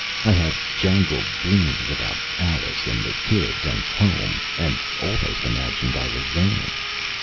I had jangled dreams about Alice and the kids and home, and almost imagined I was there.